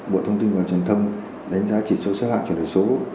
bộ thông tin và truyền thông đánh giá chỉ số xã hội chuyển đổi số